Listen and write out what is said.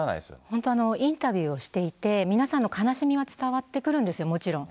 本当、インタビューをしていて、皆さんの悲しみは伝わってくるんですよ、もちろん。